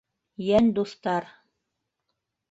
Йән дуҫтар